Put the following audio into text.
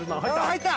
入った！